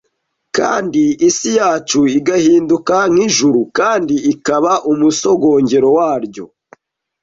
kandi isi yacu igahinduka nk’ijuru kandi ikaba umusogongero waryo!